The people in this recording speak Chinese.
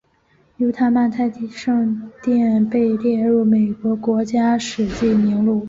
犹他曼泰圣殿被列入美国国家史迹名录。